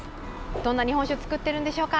どんな日本酒を造っているんでしょうか。